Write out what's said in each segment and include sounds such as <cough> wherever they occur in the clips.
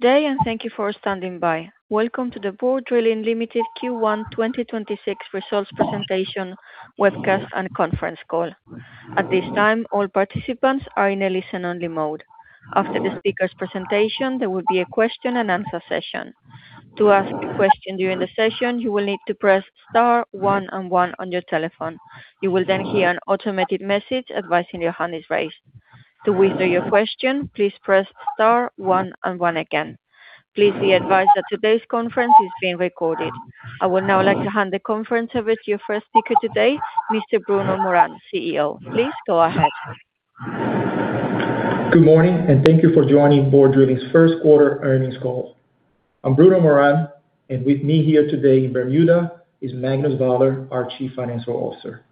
Good day. Thank you for standing by. Welcome to the Borr Drilling Ltd Q1 2026 results presentation webcast and conference call. At this time, all participants are in a listen-only mode. After the speaker's presentation, there will be a question and answer session. To ask a question during the session, you will need to press star one and one on your telephone. You will hear an automated message advising your hand is raised. To withdraw your question, please press star one and one again. Please be advised that today's conference is being recorded. I would now like to hand the conference over to your first speaker today, Mr. Bruno Morand, CEO. Please go ahead. Good morning, thank you for joining Borr Drilling's first-quarter earnings call. I'm Bruno Morand, and with me here today in Bermuda is Magnus Vaaler, our Chief Financial Officer.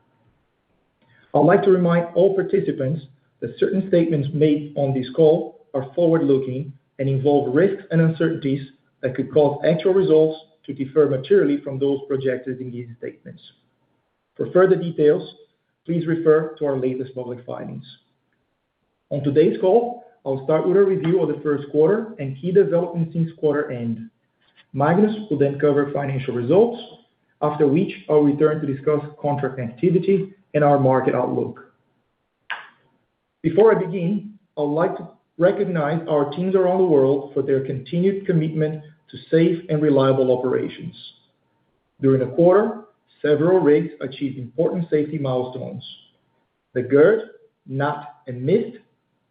I would like to remind all participants that certain statements made on this call are forward-looking and involve risks and uncertainties that could cause actual results to differ materially from those projected in these statements. For further details, please refer to our latest public filings. On today's call, I'll start with a review of the first quarter and key developments since quarter end. Magnus will then cover financial results, after which I'll return to discuss contract activity and our market outlook. Before I begin, I would like to recognize our teams around the world for their continued commitment to safe and reliable operations. During the quarter, several rigs achieved important safety milestones. The Gerd, Natt, and Mist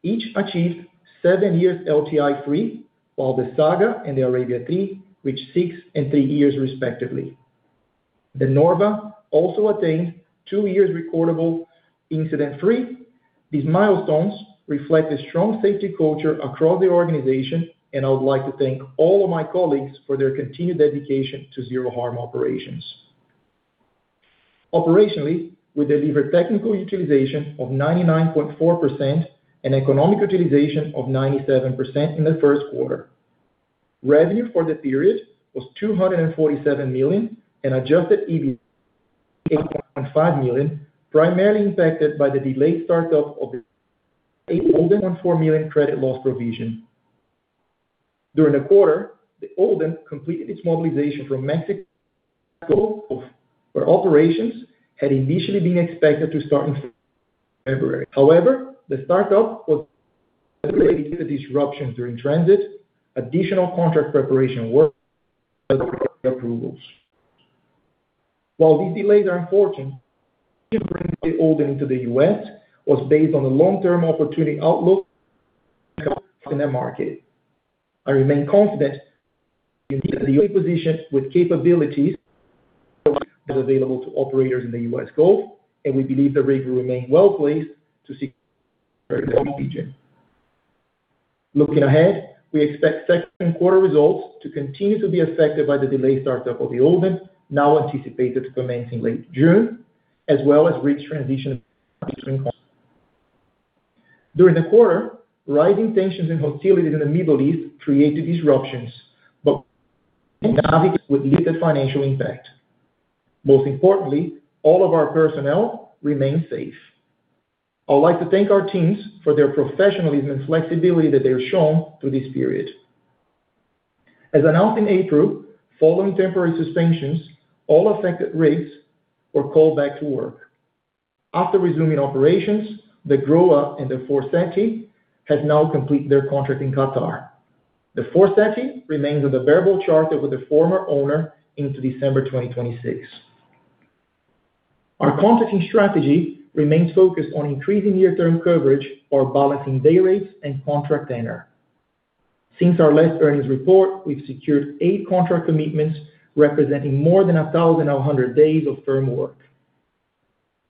each achieved seven years LTI 3, while the Saga and the Arabia III reached six and thre years respectively. The Norve also attained two years recordable incident three. These milestones reflect a strong safety culture across the organization, and I would like to thank all of my colleagues for their continued dedication to zero harm operations. Operationally, we delivered technical utilization of 99.4% and economic utilization of 97% in the first quarter. Revenue for the period was $247 million and adjusted EBITDA, <audio distortion> primarily impacted by the delayed start-up of the <audio distortion> credit loss provision. During the quarter, the Odin completed its mobilization from Mexico, where operations had initially been expected to start in February. The start-up was delayed due to disruptions during transit, additional contract preparation work, as well as approvals. While these delays are unfortunate, bringing the Odin into the U.S. was based on the long-term opportunity outlook in that market. I remain confident in the unique position with capabilities available to operators in the U.S. Gulf, and we believe the rig will remain well-placed to <audio distortion> region. Looking ahead, we expect second quarter results to continue to be affected by the delayed start-up of the Odin, now anticipated to commence in late June, as well as rig transition between contracts. During the quarter, rising tensions and hostility in the Middle East created disruptions, but we navigated with little financial impact. Most importantly, all of our personnel remain safe. I would like to thank our teams for their professionalism and flexibility that they've shown through this period. As announced in April, following temporary suspensions, all affected rigs were called back to work. After resuming operations, the Groa and the Forseti have now completed their contract in Qatar. The Forseti remains with a variable charter with the former owner into December 2026. Our contracting strategy remains focused on increasing near-term coverage while balancing day rates and contract tenor. Since our last earnings report, we've secured eight contract commitments, representing more than 1,100 days of firm work.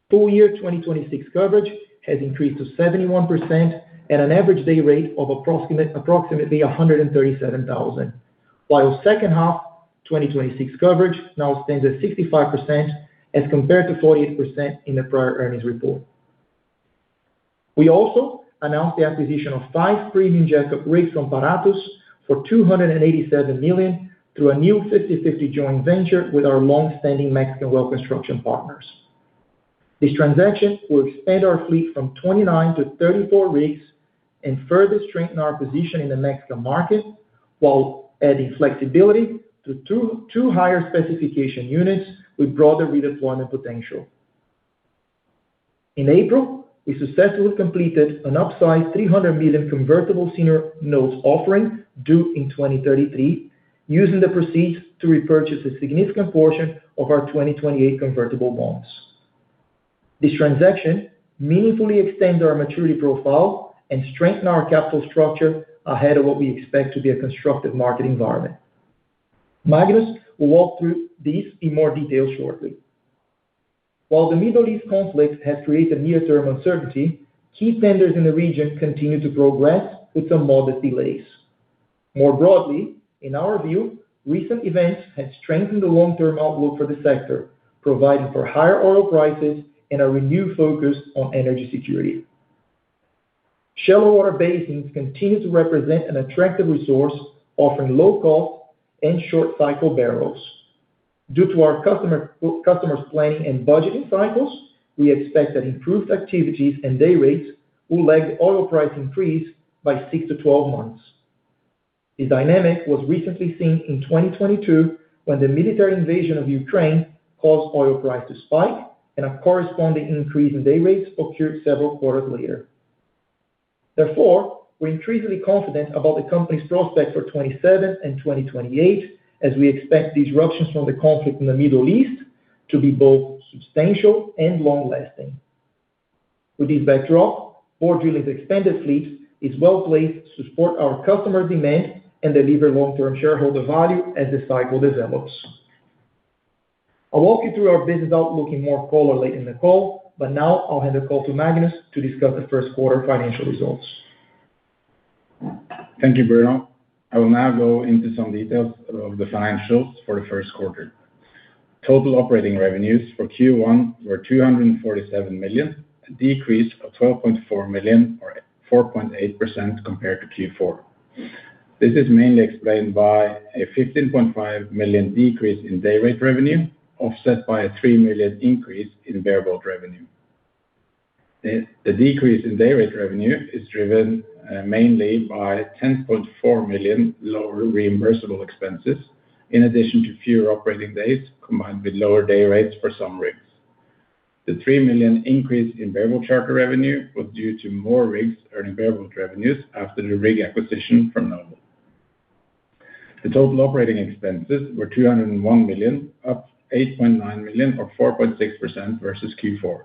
Full year 2026 coverage has increased to 71% at an average day rate of approximately $137,000, while second half 2026 coverage now stands at 65% as compared to 48% in the prior earnings report. We also announced the acquisition of five premium jackup rigs from Paratus for $287 million through a new 50/50 joint venture with our long-standing Mexican well construction partners. This transaction will expand our fleet from 29-34 rigs and further strengthen our position in the Mexican market, while adding flexibility to two higher specification units with broader redeployment potential. In April, we successfully completed an upsized $300 million convertible senior notes offering due in 2033, using the proceeds to repurchase a significant portion of our 2028 convertible bonds. This transaction meaningfully extends our maturity profile and strengthens our capital structure ahead of what we expect to be a constructive market environment. Magnus will walk through this in more detail shortly. While the Middle East conflict has created near-term uncertainty, key tenders in the region continue to progress with some modest delays. More broadly, in our view, recent events have strengthened the long-term outlook for the sector, providing for higher oil prices and a renewed focus on energy security. Shallow water basins continue to represent an attractive resource, offering low cost and short-cycle barrels. Due to our customers' planning and budgeting cycles, we expect that improved activities and day rates will lag oil price increase by 6-12 months. The dynamic was recently seen in 2022, when the military invasion of Ukraine caused oil price to spike and a corresponding increase in day rates occurred several quarters later. We are increasingly confident about the company's prospects for 2027 and 2028, as we expect disruptions from the conflict in the Middle East to be both substantial and long-lasting. With this backdrop, Borr Drilling's expanded fleet is well-placed to support our customers' demand and deliver long-term shareholder value as the cycle develops. I will walk you through our business outlook in more color later in the call, but now I'll hand the call to Magnus to discuss the first quarter financial results. Thank you, Bruno. I will now go into some details of the financials for the first quarter. Total operating revenues for Q1 were $247 million, a decrease of $12.4 million or 4.8% compared to Q4. This is mainly explained by a $15.5 million decrease in day rate revenue, offset by a $3 million increase in bareboat revenue. The decrease in day rate revenue is driven mainly by $10.4 million lower reimbursable expenses, in addition to fewer operating days combined with lower day rates for some rigs. The $3 million increase in bareboat charter revenue was due to more rigs earning bareboat revenues after the rig acquisition from Noble. The total operating expenses were $201 million, up $8.9 million or 4.6% versus Q4.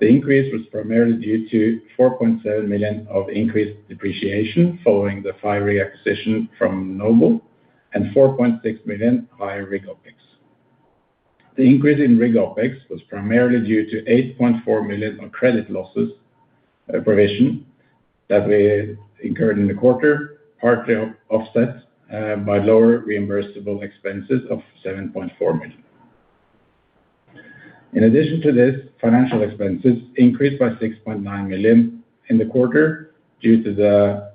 The increase was primarily due to $4.7 million of increased depreciation following the five rig acquisition from Noble, and $4.6 million higher rig OpEx. The increase in rig OpEx was primarily due to $8.4 million on credit loss provision that we incurred in the quarter, partly offset by lower reimbursable expenses of $7.4 million. In addition to this, financial expenses increased by $6.9 million in the quarter due to the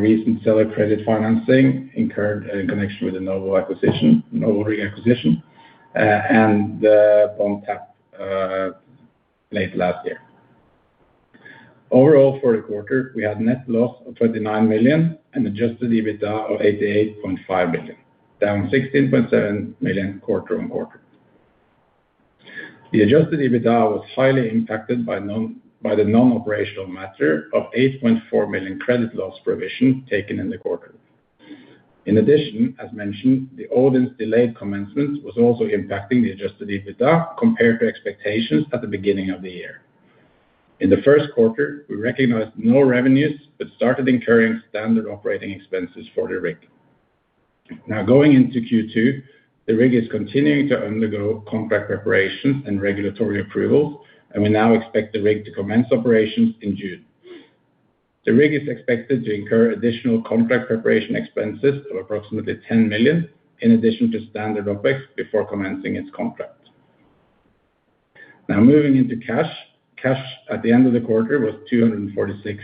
recent seller credit financing incurred in connection with the Noble rig acquisition and the bond tap late last year. Overall, for the quarter, we had net loss of $29 million and adjusted EBITDA of $88.5 million, down $16.7 million quarter-on-quarter. The adjusted EBITDA was highly impacted by the non-operational matter of $8.4 million credit loss provision taken in the quarter. In addition, as mentioned, the Odin's delayed commencement was also impacting the adjusted EBITDA compared to expectations at the beginning of the year. In the first quarter, we recognized no revenues but started incurring standard operating expenses for the rig. Going into Q2, the rig is continuing to undergo contract preparation and regulatory approvals, and we now expect the rig to commence operations in June. The rig is expected to incur additional contract preparation expenses of approximately $10 million in addition to standard OpEx before commencing its contract. Moving into cash. Cash at the end of the quarter was $246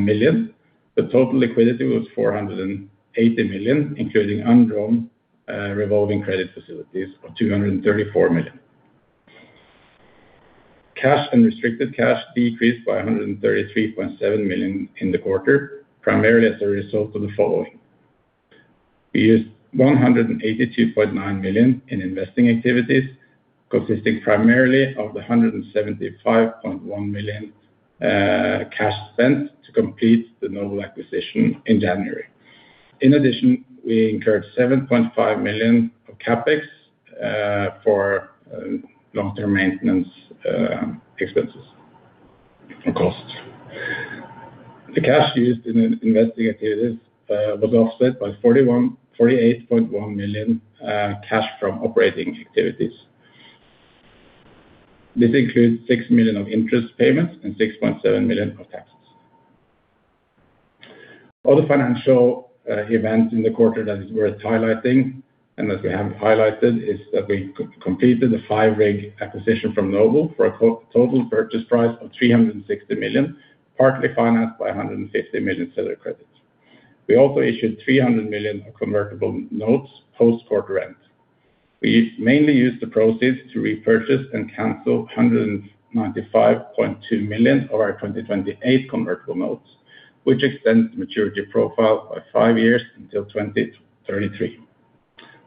million, but total liquidity was $480 million, including undrawn revolving credit facilities of $234 million. Cash and restricted cash decreased by $133.7 million in the quarter, primarily as a result of the following. We used $182.9 million in investing activities, consisting primarily of the $175.1 million cash spent to complete the Noble acquisition in January. In addition, we incurred $7.5 million of CapEx for long-term maintenance expenses and costs. The cash used in investing activities was offset by $48.1 million cash from operating activities. This includes $6 million of interest payments and $6.7 million of taxes. Other financial events in the quarter that is worth highlighting, and as we have highlighted, is that we completed the five rig acquisition from Noble for a total purchase price of $360 million, partly financed by $150 million seller credits. We also issued $300 million of convertible notes post-quarter end. We mainly used the proceeds to repurchase and cancel $195.2 million of our 2028 convertible notes, which extends the maturity profile by five years until 2033.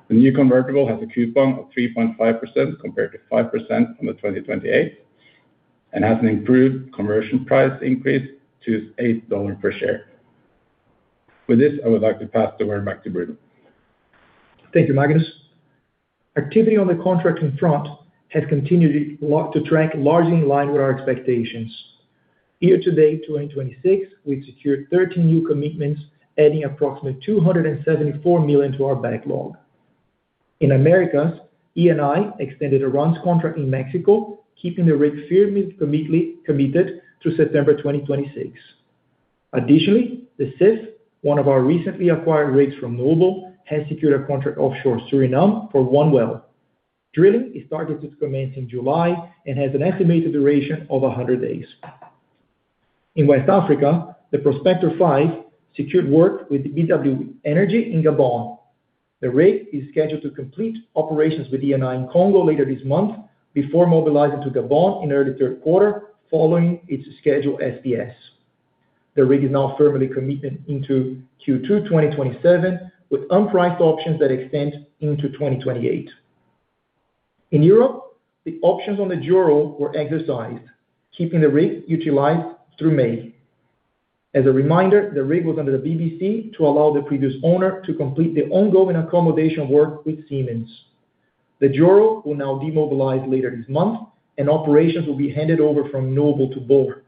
The new convertible has a coupon of 3.5% compared to 5% on the 2028, and has an improved conversion price increase to $8 per share. With this, I would like to pass the word back to Bruno. Thank you, Magnus. Activity on the contracting front has continued to track largely in line with our expectations. Year-to-date 2026, we've secured 13 new commitments, adding approximately $274 million to our backlog. In Americas, Eni extended a Ran's contract in Mexico, keeping the rig firmly committed through September 2026. Additionally, the Sif, one of our recently acquired rigs from Noble, has secured a contract offshore Suriname for one well. Drilling is targeted to commence in July and has an estimated duration of 100 days. In West Africa, the Prospector five secured work with BW Energy in Gabon. The rig is scheduled to complete operations with Eni in Congo later this month before mobilizing to Gabon in early third quarter, following its scheduled SPS. The rig is now firmly committed into Q2 2027, with unpriced options that extend into 2028. In Europe, the options on the Gerd were exercised, keeping the rig utilized through May. As a reminder, the rig was under the BBC to allow the previous owner to complete the ongoing accommodation work with Siemens. The Gerd will now demobilize later this month, and operations will be handed over from Noble to Borr.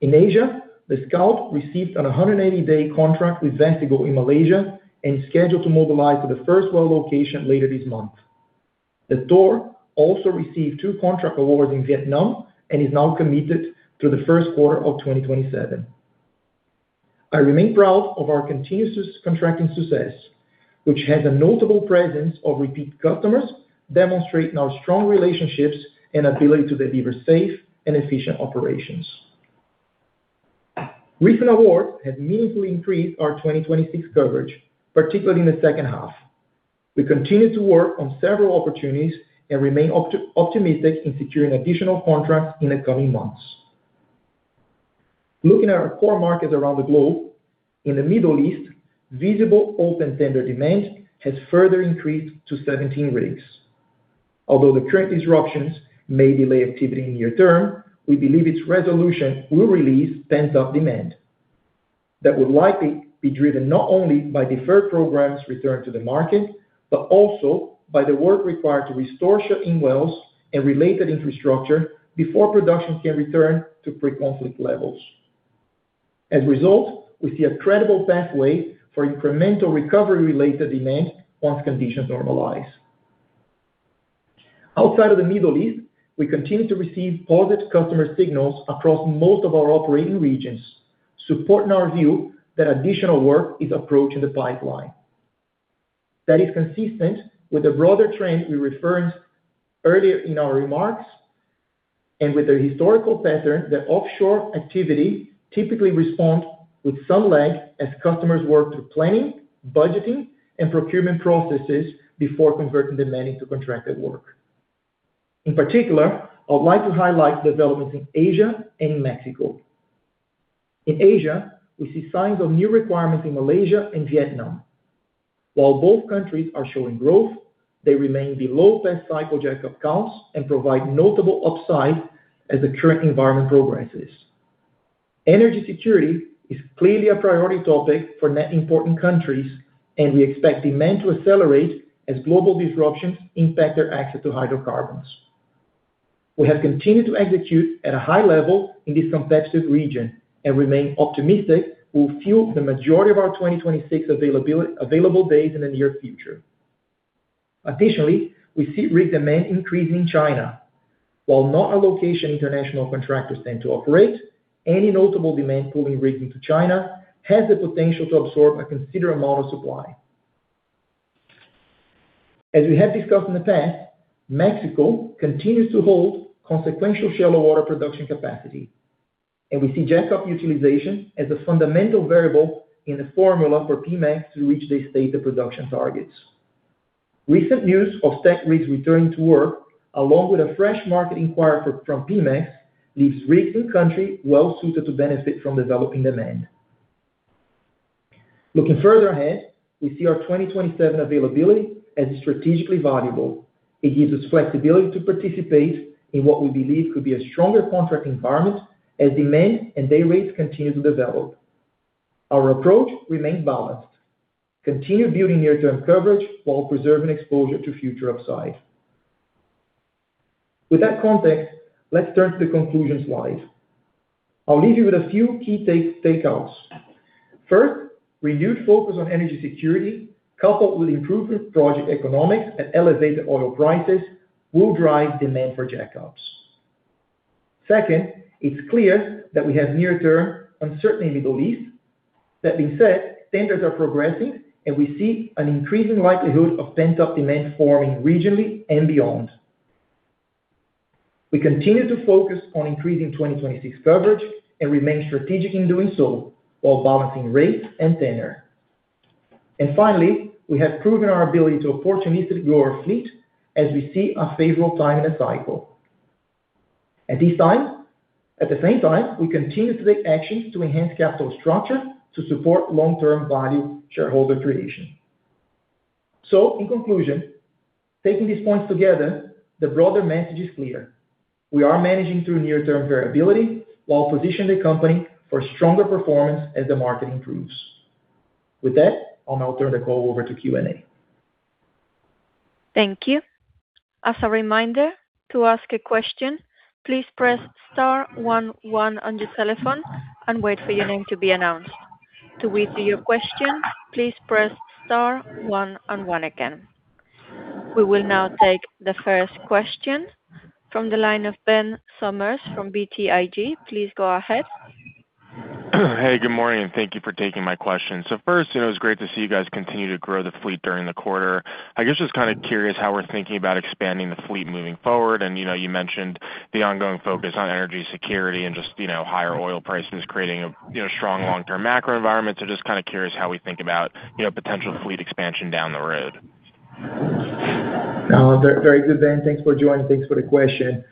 In Asia, the Scout received a 180-day contract with Vestigo in Malaysia and is scheduled to mobilize to the first well location later this month. The Thor also received two contract awards in Vietnam and is now committed to the first quarter of 2027. I remain proud of our continuous contracting success, which has a notable presence of repeat customers, demonstrating our strong relationships and ability to deliver safe and efficient operations. Recent awards have meaningfully increased our 2026 coverage, particularly in the second half. We continue to work on several opportunities and remain optimistic in securing additional contracts in the coming months. Looking at our core markets around the globe, in the Middle East, visible open tender demand has further increased to 17 rigs. Although the current disruptions may delay activity in near-term, we believe its resolution will release pent-up demand that would likely be driven not only by deferred programs returning to the market, but also by the work required to restore shut-in wells and related infrastructure before production can return to pre-conflict levels. As a result, we see a credible pathway for incremental recovery-related demand once conditions normalize. Outside of the Middle East, we continue to receive positive customer signals across most of our operating regions, supporting our view that additional work is approaching the pipeline. That is consistent with the broader trend we referenced earlier in our remarks and with the historical pattern that offshore activity typically responds with some lag as customers work through planning, budgeting, and procurement processes before converting demand into contracted work. In particular, I would like to highlight developments in Asia and Mexico. In Asia, we see signs of new requirements in Malaysia and Vietnam. While both countries are showing growth, they remain below past cycle jack-up counts and provide notable upside as the current environment progresses. Energy security is clearly a priority topic for many important countries, and we expect demand to accelerate as global disruptions impact their access to hydrocarbons. We have continued to execute at a high level in this competitive region and remain optimistic we will fill the majority of our 2026 available days in the near future. Additionally, we see rig demand increasing in China. While not a location international contractors tend to operate, any notable demand pulling rigs into China has the potential to absorb a considerable amount of supply. As we have discussed in the past, Mexico continues to hold consequential shallow water production capacity, and we see jackup utilization as a fundamental variable in the formula for PEMEX to reach their stated production targets. Recent news of stacked rigs returning to work, along with a fresh market inquiry from PEMEX, leaves rigs in country well-suited to benefit from developing demand. Looking further ahead, we see our 2027 availability as strategically valuable. It gives us flexibility to participate in what we believe could be a stronger contract environment as demand and day rates continue to develop. Our approach remains balanced, continue building near-term coverage while preserving exposure to future upside. With that context, let's turn to the conclusions slide. I'll leave you with a few key takeouts. First, renewed focus on energy security, coupled with improved project economics and elevated oil prices, will drive demand for jackups. Second, it's clear that we have near-term uncertainty in the Middle East. That being said, tenders are progressing, and we see an increasing likelihood of pent-up demand forming regionally and beyond. We continue to focus on increasing 2026 coverage and remain strategic in doing so while balancing rates and tenure. Finally, we have proven our ability to opportunistically grow our fleet as we see a favorable time in the cycle. At the same time, we continue to take actions to enhance capital structure to support long-term value shareholder creation. In conclusion, taking these points together, the broader message is clear. We are managing through near-term variability while positioning the company for stronger performance as the market improves. With that, I'll now turn the call over to Q&A. Thank you. As a reminder, to ask a question, please press star one one on your telephone and wait for your name to be announced. To withdraw your question, please press star one and one again. We will now take the first question from the line of Ben Sommers from BTIG. Please go ahead. Hey, good morning, thank you for taking my questions. First, it was great to see you guys continue to grow the fleet during the quarter. I guess just kind of curious how we're thinking about expanding the fleet moving forward. You mentioned the ongoing focus on energy security and just higher oil prices creating a strong long-term macro environment. Just kind of curious how we think about potential fleet expansion down the road. Very good, Ben. Thanks for joining. Thanks for the question.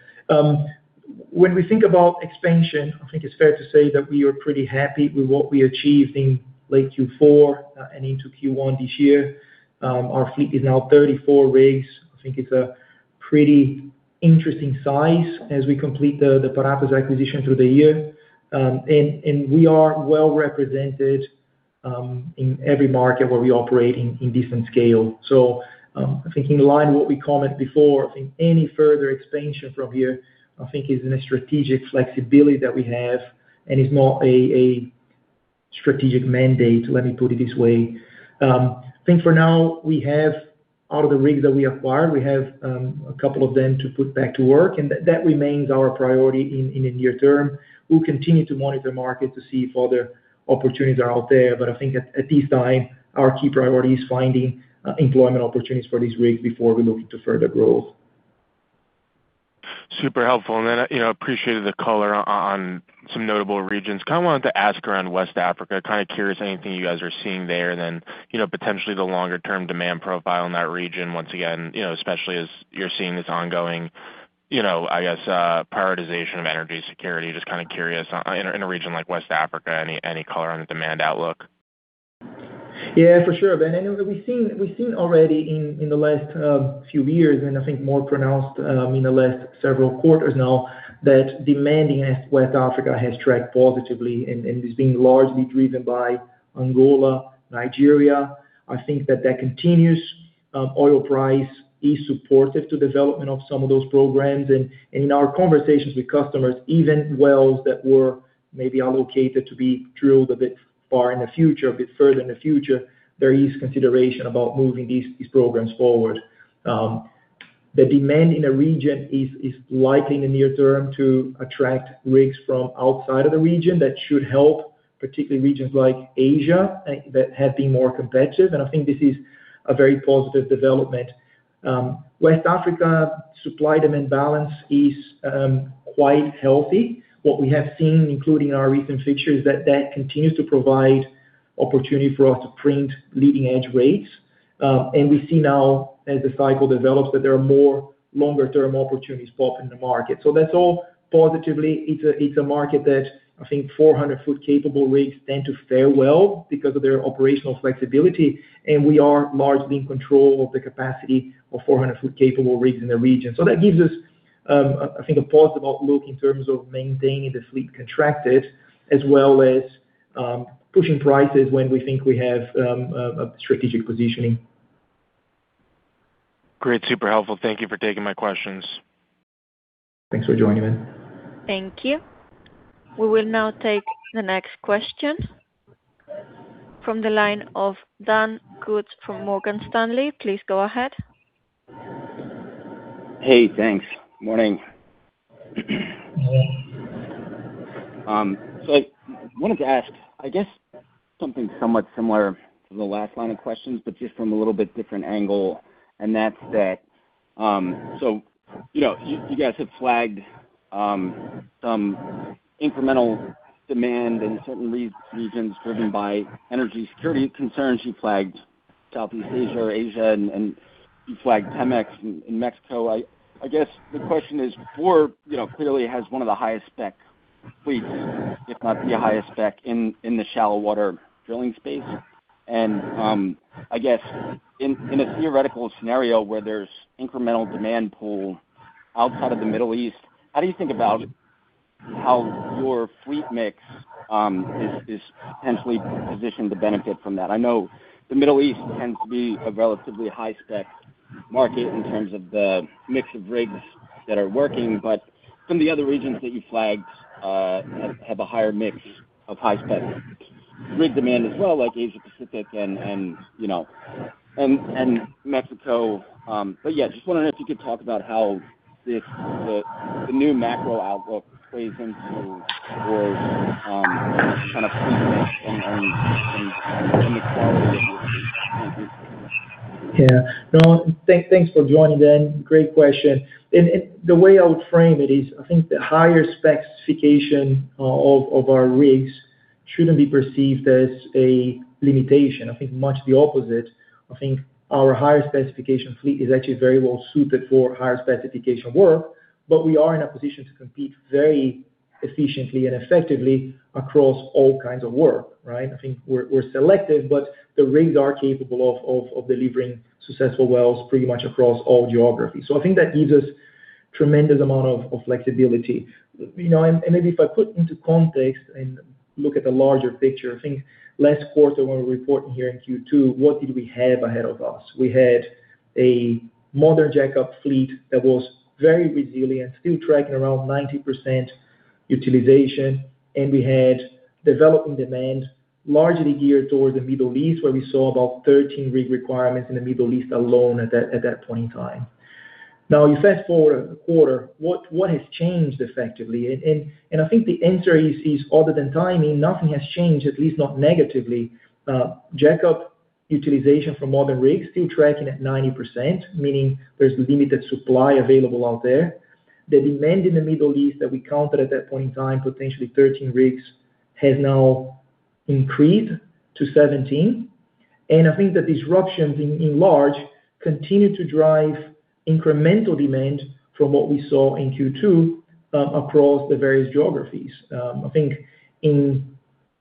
When we think about expansion, I think it's fair to say that we are pretty happy with what we achieved in late Q4 and into Q1 this year. Our fleet is now 34 rigs. I think it's a pretty interesting size as we complete the Paratus acquisition through the year. We are well-represented, in every market where we operate in different scale. I think in line what we comment before, I think any further expansion from here, I think is in a strategic flexibility that we have and is more a strategic mandate, let me put it this way. I think for now, out of the rigs that we acquired, we have a couple of them to put back to work, and that remains our priority in the near term. We'll continue to monitor market to see if other opportunities are out there. I think at this time, our key priority is finding employment opportunities for these rigs before we look into further growth. Super helpful. I appreciated the color on some notable regions. Kind of wanted to ask around West Africa, kind of curious anything you guys are seeing there then, potentially the longer term demand profile in that region once again, especially as you're seeing this ongoing, I guess, prioritization of energy security. Just kind of curious, in a region like West Africa, any color on the demand outlook? Yeah, for sure, Ben. I know that we've seen already in the last few years, and I think more pronounced in the last several quarters now, that demand in West Africa has tracked positively and is being largely driven by Angola, Nigeria. I think that that continues. Oil price is supportive to development of some of those programs. In our conversations with customers, even wells that were maybe allocated to be drilled a bit far in the future, a bit further in the future, there is consideration about moving these programs forward. The demand in a region is likely in the near term to attract rigs from outside of the region that should help particularly regions like Asia, that have been more competitive. I think this is a very positive development. West Africa supply-demand balance is quite healthy. What we have seen, including our recent fixtures, that continues to provide opportunity for us to print leading-edge rates. We see now as the cycle develops, that there are more longer-term opportunities popping in the market. That's all positively, it's a market that I think 400ft capable rigs tend to fare well because of their operational flexibility, and we are largely in control of the capacity of 400ft capable rigs in the region. That gives us, I think, a positive outlook in terms of maintaining the fleet contracted as well as pushing prices when we think we have a strategic positioning. Great. Super helpful. Thank you for taking my questions. Thanks for joining in. Thank you. We will now take the next question from the line of Dan Kutz from Morgan Stanley. Please go ahead. Hey, thanks. Morning. I wanted to ask, I guess something somewhat similar to the last line of questions, but just from a little bit different angle, and that's that, you guys have flagged some incremental demand in certain regions driven by energy security concerns. You flagged Southeast Asia, and you flagged Pemex in Mexico. I guess the question is Borr clearly has one of the highest spec fleets, if not the highest spec in the shallow water drilling space. I guess in a theoretical scenario where there's incremental demand pool outside of the Middle East, how do you think about how your fleet mix, is potentially positioned to benefit from that? I know the Middle East tends to be a relatively high-spec market in terms of the mix of rigs that are working, but some of the other regions that you flagged have a higher mix of high-spec rig demand as well, like Asia-Pacific and Mexico. Yeah, just wondering if you could talk about how the new macro outlook plays into Borr's kind of fleet mix and mix overall. Yeah. No, thanks for joining, Dan. Great question. The way I would frame it is, I think the higher specification of our rigs shouldn't be perceived as a limitation. I think much the opposite. I think our higher specification fleet is actually very well suited for higher specification work. We are in a position to compete very efficiently and effectively across all kinds of work, right? I think we're selective. The rigs are capable of delivering successful wells pretty much across all geographies. I think that gives us tremendous amount of flexibility. Maybe if I put into context and look at the larger picture, I think last quarter when we were reporting here in Q2, what did we have ahead of us? We had a modern jackup fleet that was very resilient, still tracking around 90% utilization. We had developing demand largely geared towards the Middle East, where we saw about 13 rig requirements in the Middle East alone at that point in time. You fast-forward a quarter, what has changed effectively? I think the answer is, other than timing, nothing has changed, at least not negatively. Jackup utilization for modern rigs still tracking at 90%, meaning there's limited supply available out there. The demand in the Middle East that we counted at that point in time, potentially 13 rigs, has now increased to 17. I think the disruptions in large continue to drive incremental demand from what we saw in Q2 across the various geographies. I think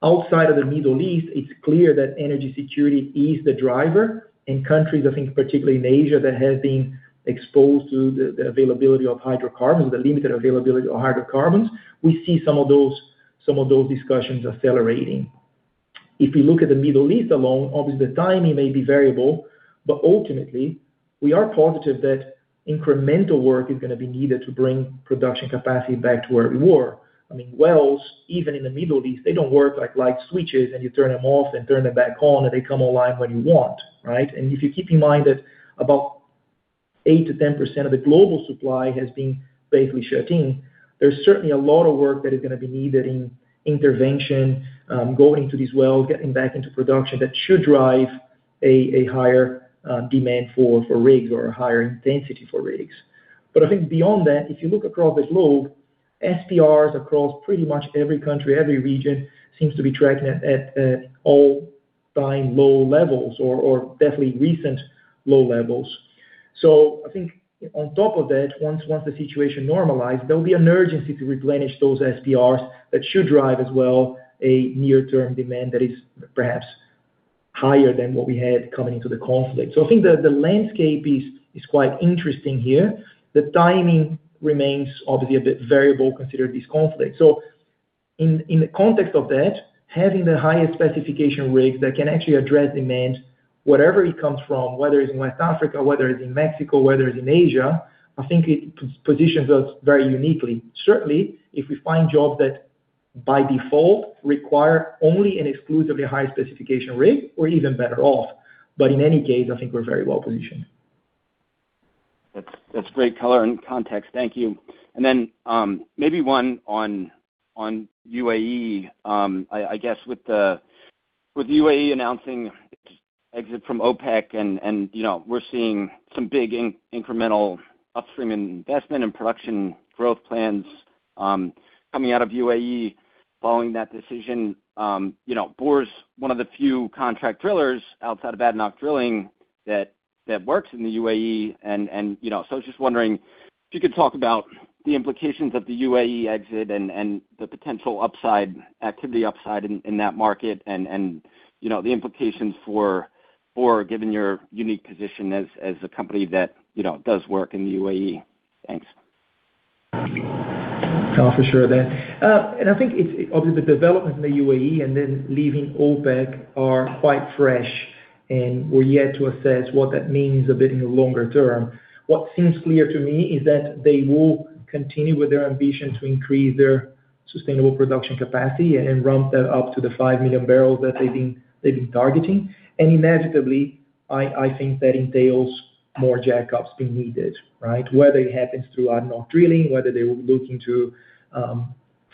outside of the Middle East, it's clear that energy security is the driver in countries, I think particularly in Asia, that have been exposed to the availability of hydrocarbons, the limited availability of hydrocarbons. We see some of those discussions accelerating. If we look at the Middle East alone, obviously the timing may be variable, but ultimately, we are positive that incremental work is going to be needed to bring production capacity back to where it were. Wells, even in the Middle East, they don't work like light switches, and you turn them off and turn them back on, and they come online when you want, right? If you keep in mind that about 8%-10% of the global supply has been basically shutting, there's certainly a lot of work that is going to be needed in intervention, going into these wells, getting back into production. That should drive a higher demand for rigs or a higher intensity for rigs. I think beyond that, if you look across the globe, SPRs across pretty much every country, every region, seem to be tracking at all-time low levels or definitely recent low levels. I think on top of that, once the situation normalizes, there will be an urgency to replenish those SPRs. That should drive as well a near-term demand that is perhaps higher than what we had coming into the conflict. I think the landscape is quite interesting here. The timing remains obviously a bit variable considering this conflict. In the context of that, having the highest specification rigs that can actually address demand, wherever it comes from, whether it's in West Africa, whether it's in Mexico, whether it's in Asia, I think it positions us very uniquely. Certainly, if we find jobs that by default require only an exclusively high-specification rig, we're even better off. In any case, I think we're very well-positioned. That's great color and context. Thank you. Maybe one on UAE. With UAE announcing its exit from OPEC, we're seeing some big incremental upstream investment and production growth plans coming out of UAE following that decision. Borr's one of the few contract drillers outside of ADNOC Drilling that works in the UAE, and so I was just wondering if you could talk about the implications of the UAE exit and the potential activity upside in that market and the implications for Borr, given your unique position as a company that does work in the UAE. Thanks. For sure, Dan. I think it's obviously the developments in the UAE and then leaving OPEC are quite fresh, and we're yet to assess what that means a bit in the longer term. What seems clear to me is that they will continue with their ambition to increase their sustainable production capacity and ramp that up to the 5 million barrels that they've been targeting. Inevitably, I think that entails more jackups being needed, right? Whether it happens through ADNOC Drilling, whether they will be looking to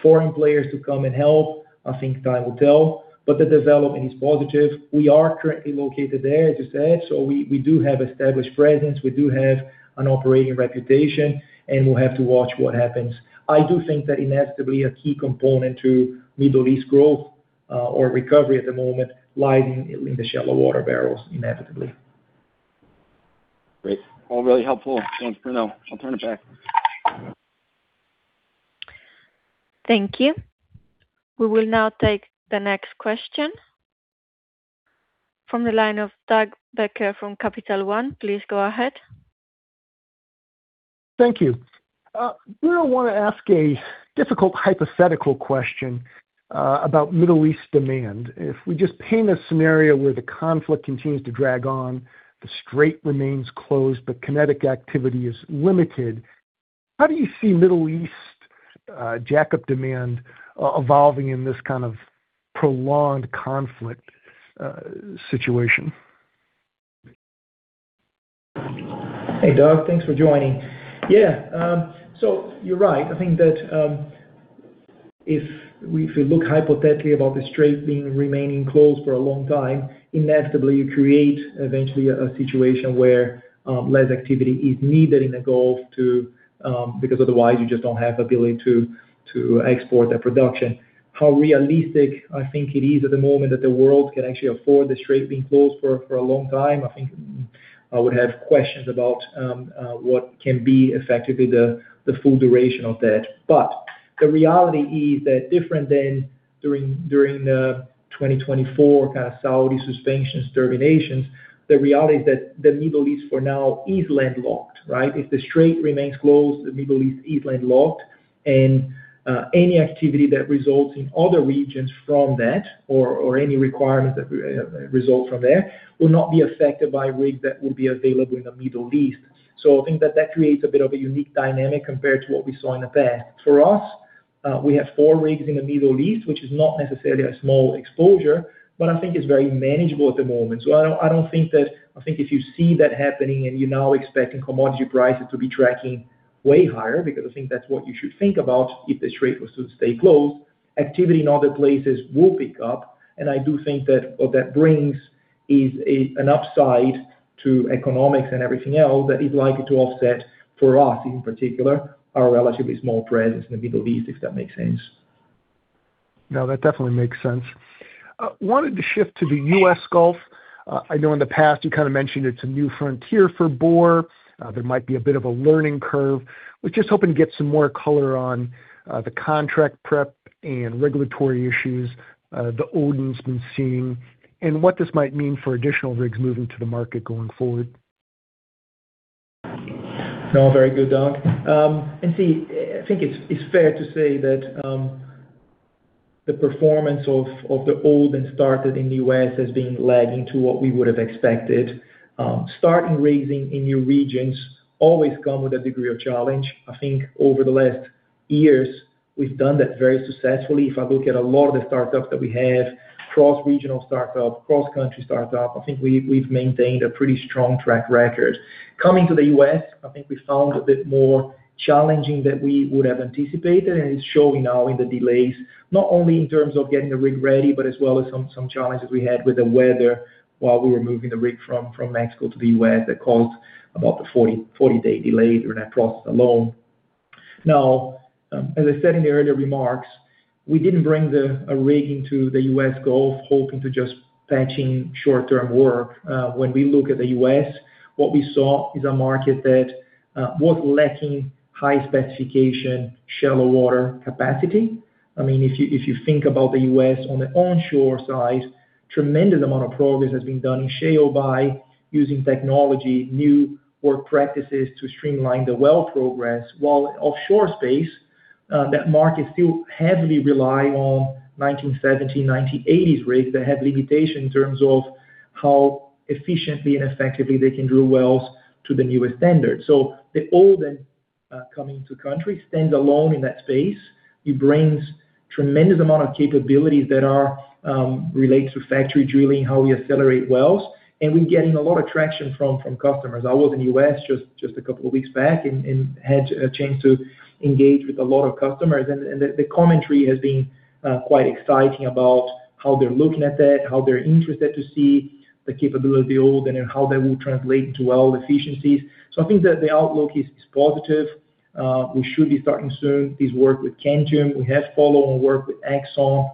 foreign players to come and help, I think time will tell. The development is positive. We are currently located there, as you said, we do have established presence. We do have an operating reputation, we'll have to watch what happens. I do think that inevitably a key component to Middle East growth or recovery at the moment lies in the shallow water barrels inevitably. Great. All really helpful. Thanks, Bruno. I'll turn it back. Thank you. We will now take the next question from the line of Doug Becker from Capital One. Please go ahead. Thank you. Bruno, I want to ask a difficult hypothetical question about Middle East demand. If we just paint a scenario where the conflict continues to drag on, the strait remains closed, but kinetic activity is limited, how do you see Middle East jackup demand evolving in this kind of prolonged conflict situation? Hey, Doug. Thanks for joining. Yeah. You're right. I think that if we look hypothetically about the strait remaining closed for a long time, inevitably you create eventually a situation where less activity is needed in the Gulf because otherwise you just don't have ability to export that production. How realistic I think it is at the moment that the world can actually afford the strait being closed for a long time, I think I would have questions about what can be effectively the full duration of that. The reality is that different than during the 2024 kind of Saudi suspensions terminations, the reality is that the Middle East for now is landlocked, right? If the strait remains closed, the Middle East is landlocked, and any activity that results in other regions from that or any requirements that result from there will not be affected by rigs that will be available in the Middle East. I think that creates a bit of a unique dynamic compared to what we saw in the past. We have four rigs in the Middle East, which is not necessarily a small exposure, but I think it's very manageable at the moment. I think if you see that happening and you're now expecting commodity prices to be tracking way higher, because I think that's what you should think about if the Strait was to stay closed, activity in other places will pick up. I do think that what that brings is an upside to economics and everything else that is likely to offset for us, in particular, our relatively small presence in the Middle East, if that makes sense. No, that definitely makes sense. I wanted to shift to the U.S. Gulf. I know in the past you kind of mentioned it's a new frontier for Borr. There might be a bit of a learning curve. I was just hoping to get some more color on the contract prep and regulatory issues that Odin's been seeing, and what this might mean for additional rigs moving to the market going forward. No, very good, Dan. See, I think it's fair to say that the performance of the Odin started in the U.S. as being lagging to what we would have expected. Starting rigs in new regions always come with a degree of challenge. I think over the last years, we've done that very successfully. If I look at a lot of the startups that we have, cross-regional startup, cross-country startup, I think we've maintained a pretty strong track record. Coming to the U.S., I think we found a bit more challenging than we would have anticipated. It's showing now in the delays, not only in terms of getting the rig ready, but as well as some challenges we had with the weather while we were moving the rig from Mexico to the U.S. that caused about a 40-day delay during that process alone. As I said in the earlier remarks, we didn't bring a rig into the U.S. Gulf hoping to just patching short-term work. When we look at the U.S., what we saw is a market that was lacking high specification, shallow water capacity. If you think about the U.S. on the onshore side, tremendous amount of progress has been done in shale by using technology, new work practices to streamline the well progress, while offshore space, that market still heavily rely on 1970, 1980s rigs that had limitations in terms of how efficiently and effectively they can drill wells to the newer standards. The Odin coming to country stands alone in that space. It brings tremendous amount of capabilities that are related to factory drilling, how we accelerate wells, and we're getting a lot of traction from customers. I was in the U.S. just a couple of weeks back and had a chance to engage with a lot of customers, and the commentary has been quite exciting about how they're looking at that, how they're interested to see the capability of the Odin, and how that will translate into well efficiencies. I think that the outlook is positive. We should be starting soon this work with Cantium. We have follow-on work with Exxon.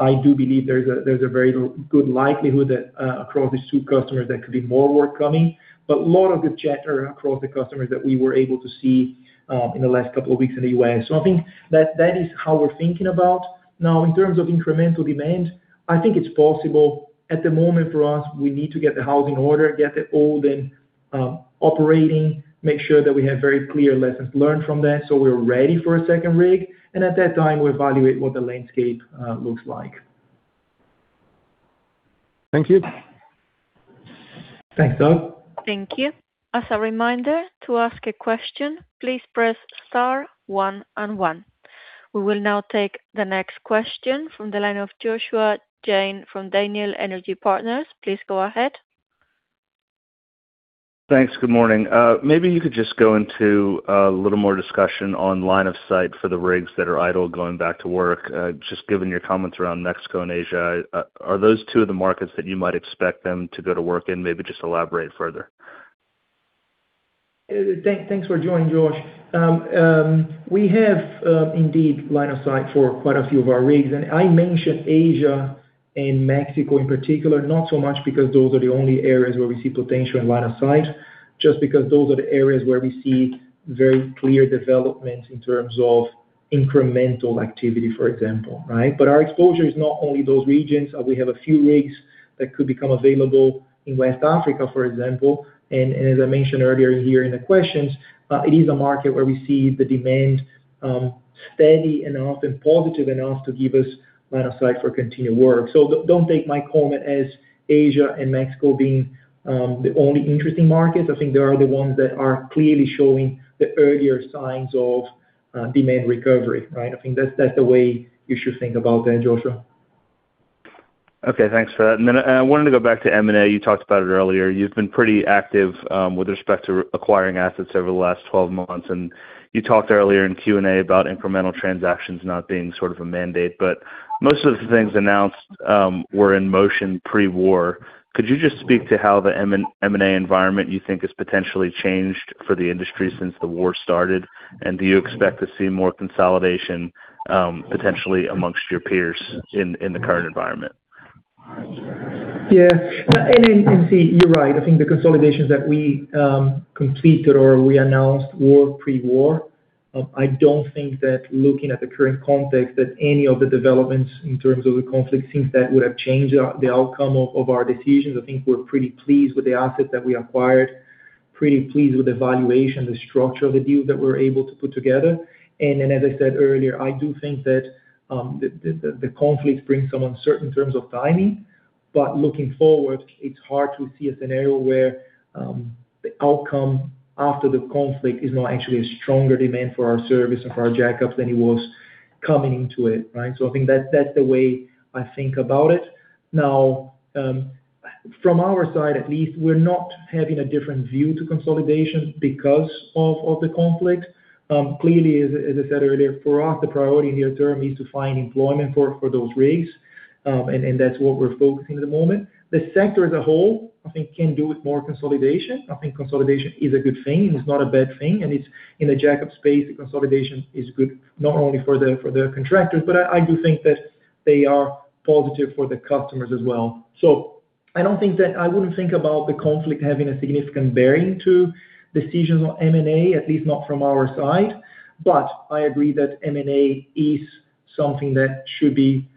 I do believe there's a very good likelihood that, across these two customers, there could be more work coming. Lot of the chatter across the customers that we were able to see in the last couple of weeks in the U.S. I think that is how we're thinking about. In terms of incremental demand, I think it's possible. At the moment for us, we need to get the housing order, get the Odin operating, make sure that we have very clear lessons learned from that so we're ready for a second rig, and at that time, we evaluate what the landscape looks like. Thank you. Thanks, Dan. Thank you. As a reminder, to ask a question, please press star one and 1. We will now take the next question from the line of Josh Jayne from Daniel Energy Partners. Please go ahead. Thanks. Good morning. Maybe you could just go into a little more discussion on line of sight for the rigs that are idle going back to work. Just given your comments around Mexico and Asia, are those two of the markets that you might expect them to go to work in? Maybe just elaborate further. Thanks for joining, Josh. We have, indeed, line of sight for quite a few of our rigs, and I mentioned Asia and Mexico in particular, not so much because those are the only areas where we see potential in line of sight, just because those are the areas where we see very clear development in terms of incremental activity, for example, right? Our exposure is not only those regions. We have a few rigs that could become available in West Africa, for example. As I mentioned earlier here in the questions, it is a market where we see the demand steady and often positive enough to give us line of sight for continued work. Don't take my comment as Asia and Mexico being the only interesting markets. I think they are the ones that are clearly showing the earlier signs of demand recovery, right? I think that's the way you should think about that, Josh. Okay, thanks for that. Then I wanted to go back to M&A. You talked about it earlier. You've been pretty active with respect to acquiring assets over the last 12 months, and you talked earlier in Q&A about incremental transactions not being sort of a mandate, but most of the things announced were in motion pre-war. Could you just speak to how the M&A environment you think has potentially changed for the industry since the war started? Do you expect to see more consolidation, potentially, amongst your peers in the current environment? Yeah. See, you're right. I think the consolidations that we completed or we announced were pre-war. I don't think that looking at the current context, that any of the developments in terms of the conflict, things that would have changed the outcome of our decisions. I think we're pretty pleased with the assets that we acquired, pretty pleased with the valuation, the structure of the deals that we're able to put together. As I said earlier, I do think that the conflict brings some uncertain terms of timing, but looking forward, it's hard to see a scenario where the outcome after the conflict is not actually a stronger demand for our service, for our jackups than it was coming into it, right? I think that's the way I think about it. From our side at least, we're not having a different view to consolidation because of the conflict. As I said earlier, for us, the priority near term is to find employment for those rigs, and that's what we're focusing at the moment. The sector as a whole, I think, can do with more consolidation. I think consolidation is a good thing. It's not a bad thing, and it's in the jackup space, consolidation is good, not only for the contractors, but I do think that they are positive for the customers as well. I wouldn't think about the conflict having a significant bearing to decisions on M&A, at least not from our side. I agree that M&A is something that should be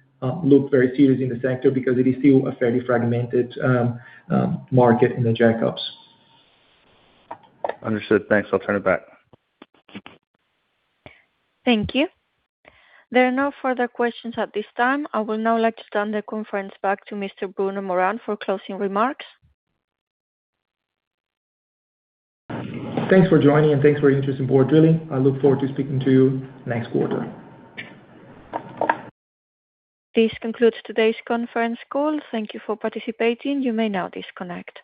looked very seriously in the sector because it is still a fairly fragmented market in the jackups. Understood. Thanks. I'll turn it back. Thank you. There are no further questions at this time. I would now like to turn the conference back to Mr. Bruno Morand for closing remarks. Thanks for joining, and thanks for your interest in Borr Drilling. I look forward to speaking to you next quarter. This concludes today's conference call. Thank you for participating. You may now disconnect.